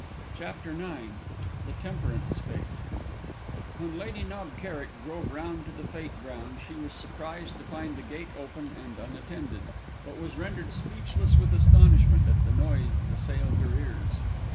CHAPTER IX THE TEMPERANCE FÊTE When Lady Knob Kerrick drove round to the Fête ground she was surprised to find the gate open and unattended, but was rendered speechless with astonishment at the noise that assailed her ears.